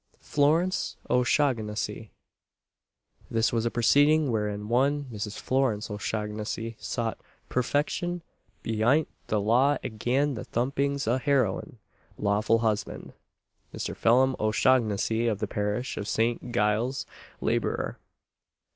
FLORENCE O'SHAUGHNESSY. This was a proceeding wherein one Mrs. Florence O'Shaughnessy sought "purtection behint the law agen the thumpings of her oun lawful husband," Mr. Phelim O'Shaughnessy, of the parish of St. Giles, labourer.